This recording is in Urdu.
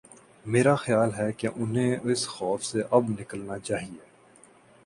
میرا خیال ہے کہ انہیں اس خوف سے اب نکلنا چاہیے۔